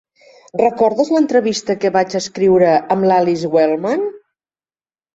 Recordes l'entrevista que vaig escriure amb l'Alice Wellman?